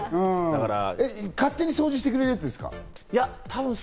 勝手に掃除してくれるやつですか？